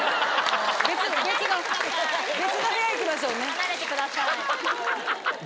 離れてください。